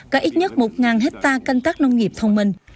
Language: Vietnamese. có ít nhất một hectare canh tác nông nghiệp thông minh